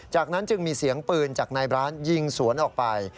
จากนั้นจึงมีเสียงปืนจากในร้านยิงสวนออกไป